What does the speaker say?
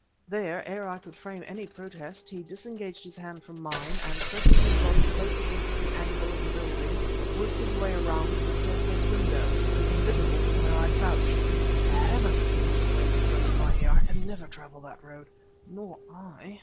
Then, ere I could frame any protest, he disengaged his hand from mine, and pressing his body close against the angle of the building, worked his way around to the staircase window, which was invisible from where I crouched. "Heavens!" muttered Weymouth, close to my ear, "I can never travel that road!" "Nor I!"